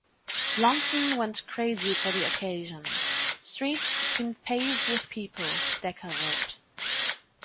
London went crazy for the occasion: “Streets seemed paved with people,” Dekker wrote.